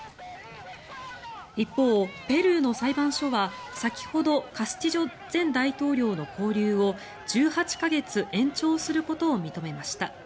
一方、ペルーの裁判所は先ほどカスティジョ前大統領の勾留を１８か月延長することを認めました。